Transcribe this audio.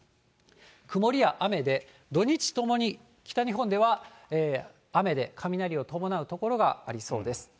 曇りや雨で土日ともに北日本では雨で、雷を伴う所がありそうです。